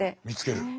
見つける。